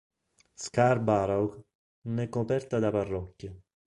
Scarborough non è coperta da parrocchie.